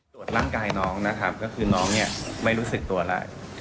ตรวจร่างกายน้องนะครับก็คือน้องเนี่ยไม่รู้สึกตัวแล้ว